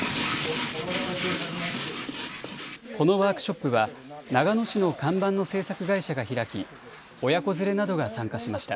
このワークショップは長野市の看板の製作会社が開き親子連れなどが参加しました。